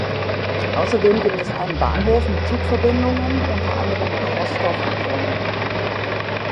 Außerdem gibt es einen Bahnhof mit Zugverbindungen unter anderem nach Rostow am Don.